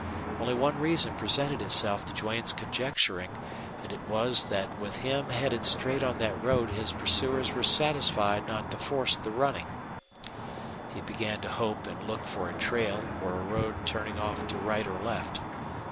Only one reason presented itself to Duane's conjecturing, and it was that with him headed straight on that road his pursuers were satisfied not to force the running. He began to hope and look for a trail or a road turning off to right or left.